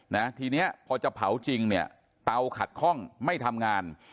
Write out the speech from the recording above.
นะทีเนี้ยพอจะเผาจริงเนี่ยเตาขัดคล่องไม่ทำงาน